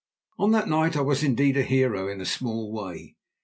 On that night I was indeed a hero in a small way.